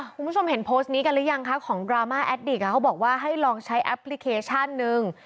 คุณผู้ชมเห็นโพสต์นี้กันหรือยังคะของดราม่าแอดดิกเขาบอกว่าให้ลองใช้แอปพลิเคชันหนึ่ง